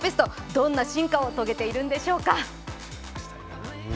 どんな進化を遂げているんでしょうか。